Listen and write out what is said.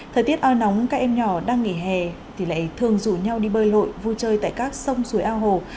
thời tiết o nóng các em nhỏ đang nghỉ hè thì lại thường rủ nhau đi bơi lội vui chơi tại các sông suối ao hồ